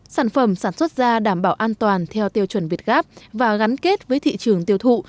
sản phẩm sản xuất ra đảm bảo an toàn theo tiêu chuẩn việt gáp và gắn kết với thị trường tiêu thụ